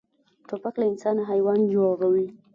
توپک له انسان حیوان جوړوي.